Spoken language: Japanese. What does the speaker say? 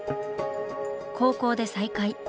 高校で再会。